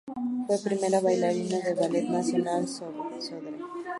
Fue primera bailarina del Ballet Nacional Sodre.